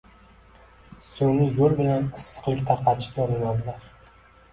sun’iy yo’l bilan issiqlik tarqatishga urinadilar